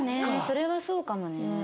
それはそうかもね。